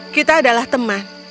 kita adalah teman